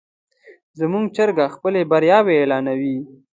زموږ چرګه خپلې بریاوې اعلانوي.